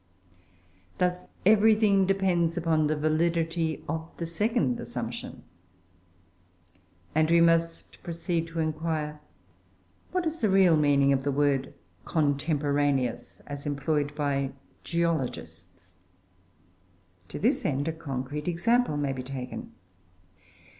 Thus everything depends upon the validity of the second assumption. And we must proceed to inquire what is the real meaning of the word "contemporaneous" as employed by geologists. To this end a concrete example may be taken.